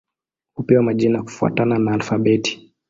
Hupewa majina kufuatana na alfabeti.